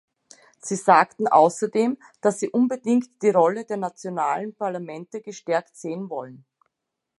Sie sagten außerdem, dass Sie unbedingt die Rolle der nationalen Parlamente gestärkt sehen wollen.